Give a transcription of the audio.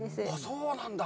そうなんだ。